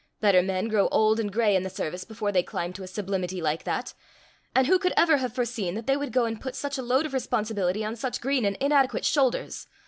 Better men grow old and gray in the service before they climb to a sublimity like that. And who could ever have foreseen that they would go and put such a load of responsibility on such green and inadequate shoulders?